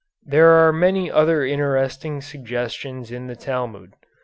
There are many other interesting suggestions in the Talmud.